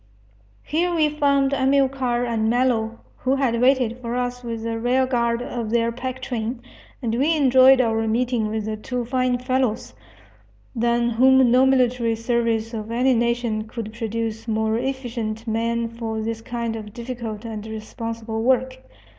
Here we found Amilcar and Mello, who had waited for us with the rear guard of their pack train, and we enjoyed our meeting with the two fine fellows, than whom no military service of any nation could produce more efficient men for this kind of difficult and responsible work.